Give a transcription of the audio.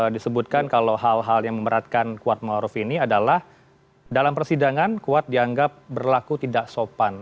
disebutkan kalau hal hal yang memberatkan kuat maruf ini adalah dalam persidangan kuat dianggap berlaku tidak sopan